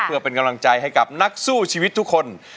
เพื่อเป็นกำลังใจให้กับนักสู้ชีวิตทุกคน